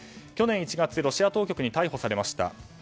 去年１月ロシア当局に逮捕されました。